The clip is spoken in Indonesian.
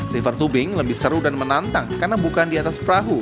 river tubing lebih seru dan menantang karena bukan di atas perahu